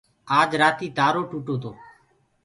آج رآتي تآرو ٽوٽو تو۔